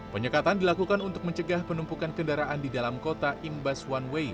penyekatan dilakukan untuk mencegah penumpukan kendaraan di dalam kota imbas one way